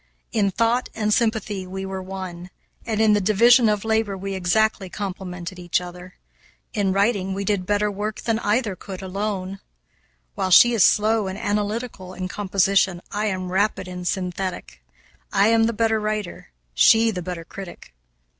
In thought and sympathy we were one, and in the division of labor we exactly complemented each other. In writing we did better work than either could alone. While she is slow and analytical in composition, I am rapid and synthetic. I am the better writer, she the better critic.